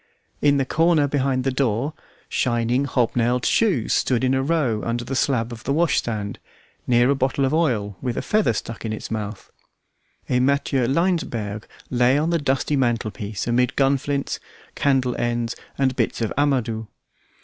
In the corner behind the door, shining hob nailed shoes stood in a row under the slab of the washstand, near a bottle of oil with a feather stuck in its mouth; a Matthieu Laensberg lay on the dusty mantelpiece amid gunflints, candle ends, and bits of amadou.